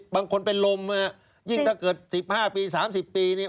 บางคนเป็นลมยิ่งถ้าเกิด๑๕ปี๓๐ปีเนี่ย